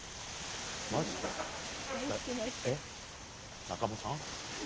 えっ仲間さん？